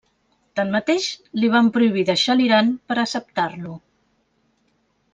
Tanmateix, li van prohibir deixar l'Iran per acceptar-lo.